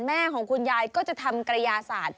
แม่ของคุณยายก็จะทำกระยาศาสตร์